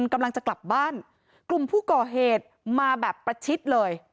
กำลังจะกลับบ้านกลุ่มผู้ก่อเหตุมาแบบประชิดเลย